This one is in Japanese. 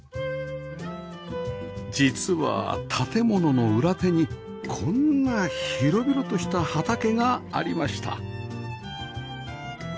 実は建物の裏手にこんな広々とした畑がありました